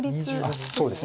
そうですね。